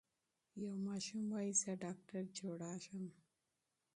یو ماشوم وايي زه ډاکټر جوړ شم.